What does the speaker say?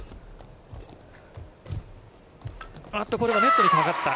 おっとこれはネットにかかった。